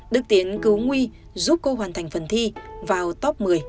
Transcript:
đức tiến cứu nguy giúp cô hoàn thành phần thi vào top một mươi